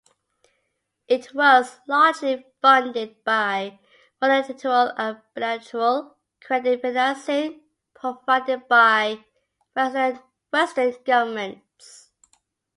It was largely funded by multilateral and bilateral credit financing provided by Western governments.